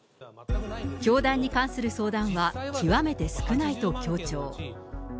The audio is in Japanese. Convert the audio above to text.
教団に関する相談は極めて少ないと強調。